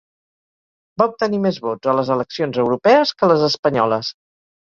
Va obtenir més vots a les eleccions europees que a les espanyoles.